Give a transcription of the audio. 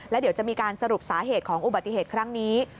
แล้วเดี๋ยวจะมีการสรุปสาเหตุของอุบัติเหตุครั้งนี้